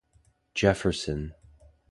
Jefferson.